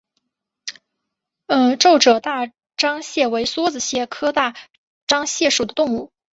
皱褶大蟾蟹为梭子蟹科大蟾蟹属的动物。